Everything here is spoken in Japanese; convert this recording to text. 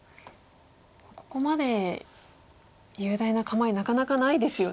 ここまで雄大な構えなかなかないですよね。